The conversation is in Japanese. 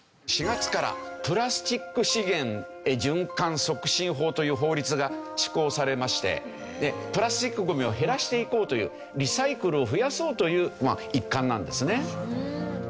４月からプラスチック資源循環促進法という法律が施行されましてプラスチックゴミを減らしていこうというリサイクルを増やそうという一環なんですね。